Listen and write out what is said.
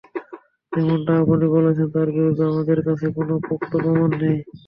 যেমনটা আপনি বলছেন তার বিরুদ্ধে আমাদের কাছে কোনো পোক্ত প্রমাণ নেই।